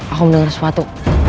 aku mendengar sesuatu